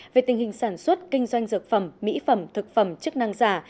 về tình hình sản xuất kinh doanh dược phẩm mỹ phẩm thực phẩm chức năng giả